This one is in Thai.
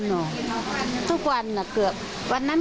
ส้มตำมีทางไหน